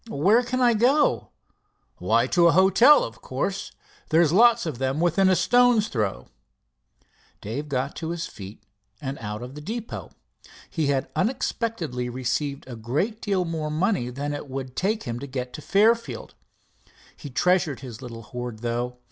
"Where can I go?" "Why, to a hotel, of course. There's lots of them within a stone's throw." Dave got to his feet and out of the depot. He had unexpectedly received a great deal more money than it would take to get him to Fairfield. He treasured his little hoard, though.